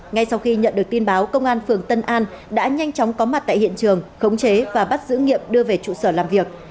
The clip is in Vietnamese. ngay sau khi nhận được tin báo công an phường tân an đã nhanh chóng có mặt tại hiện trường khống chế và bắt giữ nghiệp đưa về trụ sở làm việc